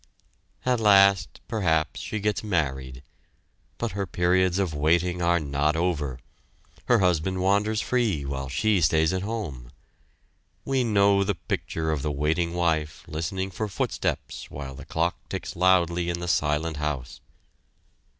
At last perhaps she gets married. But her periods of waiting are not over. Her husband wanders free while she stays at home. We know the picture of the waiting wife listening for footsteps while the clock ticks loudly in the silent house.